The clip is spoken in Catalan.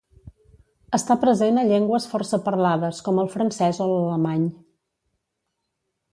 Està present a llengües força parlades com el francès o l'alemany.